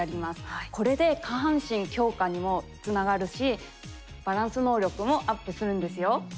これで下半身強化にもつながるしバランス能力もアップするんですよ！